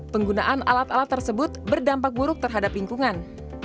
penggunaan alat alat tersebut berdampak buruk terhadap lingkungan